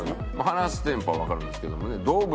話すテンポはわかるんですけどもね「動物」？